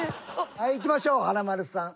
はいいきましょう華丸さん。